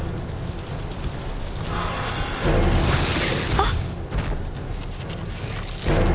「あっ！」。